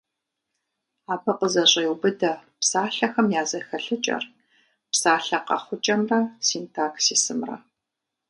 Абы къызэщӏеубыдэ псалъэхэм я зэхэлъыкӏэр, псалъэ къэхъукӏэмрэ синтаксисымрэ.